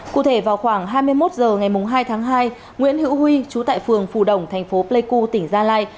cụ thể vào khoảng hai mươi một h ngày hai tháng hai nguyễn hữu huy chú tại phường phù đồng thành phố pleiku tỉnh gia lai